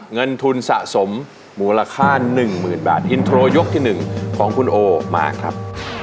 เงินทุนสะสมมูลค่าหนึ่งหมื่นบาทยกที่หนึ่งของคุณโอมากครับ